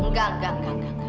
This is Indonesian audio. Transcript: enggak enggak enggak